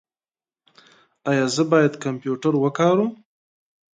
ایا زه باید کمپیوټر وکاروم؟